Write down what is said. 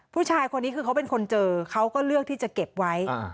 ผู้ชายคนนี้คือเขาเป็นคนเจอเขาก็เลือกที่จะเก็บไว้